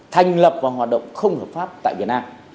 thành lập và hoạt động không hợp pháp tại việt nam